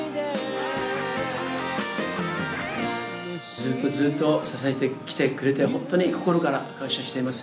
ずっとずっと支えてきてくれて、本当に心から感謝しています。